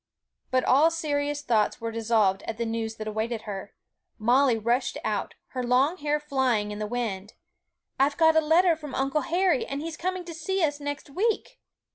But all serious thoughts were dissolved at the news that awaited her. Molly rushed out, her long hair flying in the wind: 'I've got a letter from Uncle Harry, and he is coming to see us next week!'